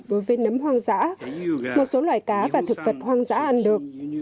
đối với nấm hoang dã một số loài cá và thực vật hoang dã ăn được